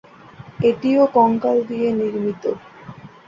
এটিও কঙ্কাল দিয়ে নির্মীত।